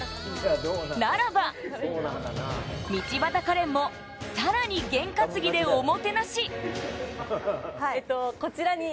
ならば、道端カレンも、さらにゲン担ぎでおもてなし。